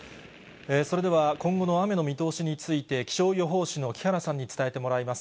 それでは、今後の雨の見通しについて気象予報士の木原さんに伝えてもらいます。